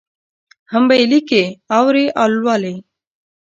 هم به یې لیکي، اوري او لولي.